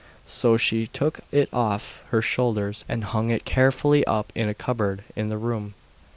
So she took it off her shoulders and hung it carefully up in a cupboard in the room.